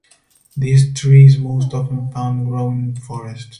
This tree is most often found growing in forests.